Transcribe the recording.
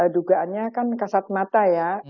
dugaannya kan kasat mata ya